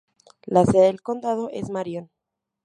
La sede del condado es Marion.